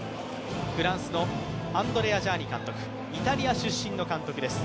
フランスのアンドレア・ジャーニ監督、イタリア出身の監督です。